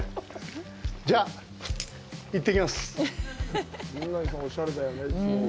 じゃあ、行ってきます！